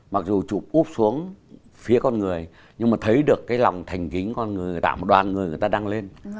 mặc dù chụp úp xuống phía con người nhưng mà thấy được cái lòng thành kính con người tạo một đoàn người người ta đăng lên